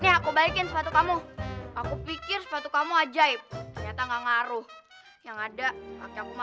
nih aku baikin sepatu kamu aku pikir sepatu kamu ajaib ternyata enggak ngaruh yang ada